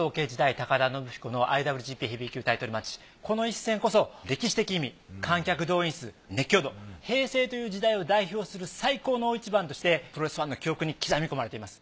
高田延彦のＩＷＧＰヘビー級タイトルマッチこの一戦こそ歴史的意味観客動員数熱狂度平成という時代を代表する最高の大一番としてプロレスファンの記憶に刻み込まれています。